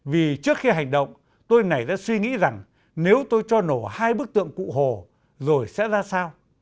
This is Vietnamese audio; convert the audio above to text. vì trước khi hành động tôi nảy ra suy nghĩ rằng nếu tôi cho nổ hai bức tượng cụ hồ rồi sẽ ra sao